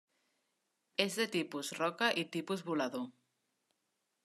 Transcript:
És de tipus roca i tipus volador.